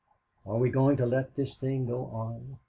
Are we going to let this thing go on?